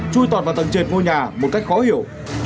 chui toàn vào tầng trệt ngôi nhà một cách khó hiểu